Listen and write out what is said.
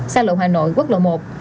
sa lộ hà nội quốc lộ một